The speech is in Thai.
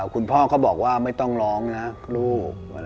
คุณพ่อก็บอกว่าไม่ต้องร้องนะลูก